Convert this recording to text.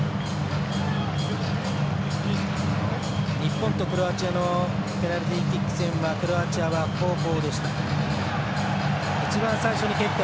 日本とクロアチアのペナルティーキック戦はクロアチアは後攻でした。